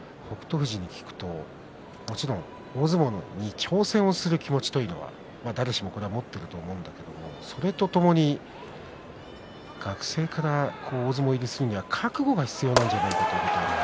富士に聞くともちろん、大相撲に挑戦する気持ちというのは誰しも持っていると思うんですがそれとともに学生から大相撲入りするには覚悟が必要なんじゃないか。